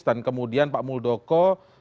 dan kemudian pak muldoko